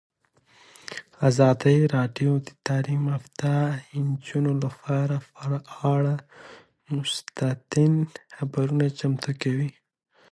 ازادي راډیو د تعلیمات د نجونو لپاره پر اړه مستند خپرونه چمتو کړې.